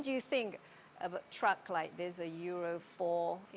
berapa lama anda berpikir tentang kendaraan seperti ini